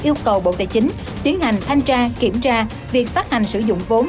yêu cầu bộ tài chính tiến hành thanh tra kiểm tra việc phát hành sử dụng vốn